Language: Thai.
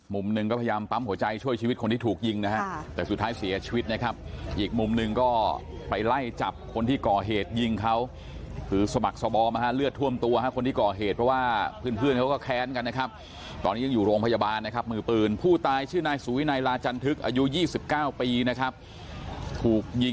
มุมหนึ่งก็พยายามปั๊มหัวใจช่วยชีวิตคนที่ถูกยิงนะฮะแต่สุดท้ายเสียชีวิตนะครับอีกมุมหนึ่งก็ไปไล่จับคนที่ก่อเหตุยิงเขาคือสมัครสบอมนะฮะเลือดท่วมตัวฮะคนที่ก่อเหตุเพราะว่าเพื่อนเพื่อนเขาก็แค้นกันนะครับตอนนี้ยังอยู่โรงพยาบาลนะครับมือปืนผู้ตายชื่อนายสุวินัยลาจันทึกอายุ๒๙ปีนะครับถูกยิง